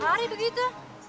tiap hari begitu